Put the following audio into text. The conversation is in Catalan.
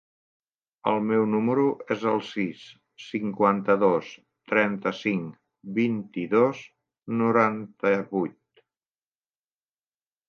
El meu número es el sis, cinquanta-dos, trenta-cinc, vint-i-dos, noranta-vuit.